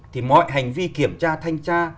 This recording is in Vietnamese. thì mọi hành vi kiểm tra thanh tra